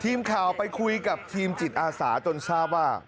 ทีมข่าวไปคุยกับทีมจิตอาสาจนทราบว่า